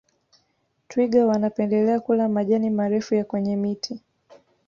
twiga wanapendelea kula majani marefu ya kwenye miti